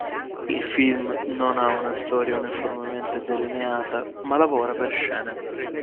Il film non ha una storia uniformemente delineata, ma lavora per scene.